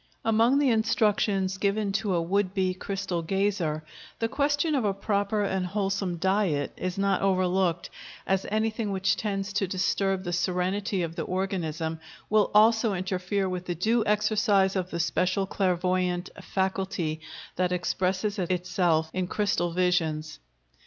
Among the instructions given to a would be crystal gazer, the question of a proper and wholesome diet is not overlooked, as anything which tends to disturb the serenity of the organism will also interfere with the due exercise of the special clairvoyant faculty that expresses itself in crystal visions.